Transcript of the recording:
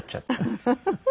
フフフフ！